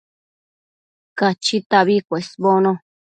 Cachitabi cuesbono